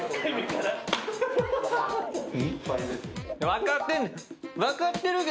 分かってんねん。